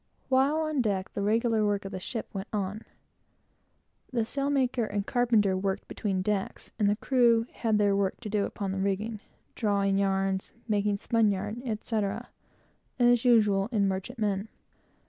While on deck, the regular work of the ship went on. The sailmaker and carpenter worked between decks, and the crew had their work to do upon the rigging, drawing yarns, making spun yarn, etc., as usual in merchantmen.